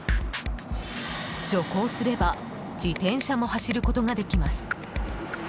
徐行すれば自転車も走ることができます。